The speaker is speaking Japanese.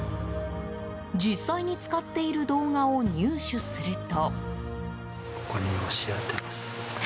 実際に使っている動画を入手すると。